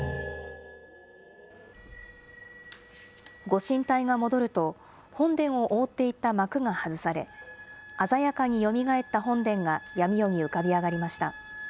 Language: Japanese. ご神体が戻ると、本殿を覆っていた幕が外され、鮮やかによみがえった本殿が闇夜に浮かび上がりました。